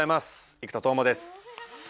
生田斗真です！